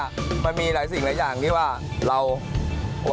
ไม่ได้มีเอาไว้อิ้มกาแฟนะครับ